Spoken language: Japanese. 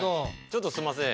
ちょっとすんません。